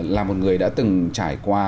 là một người đã từng trải qua